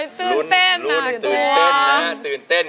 ตื่นเต้นน่าเว้ว